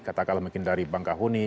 katakanlah mungkin dari bangkahuni